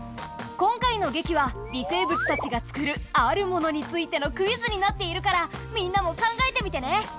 今回の劇は微生物たちが作るあるものについてのクイズになっているからみんなも考えてみてね。